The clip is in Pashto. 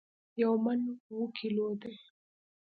یو من اوو کیلو دي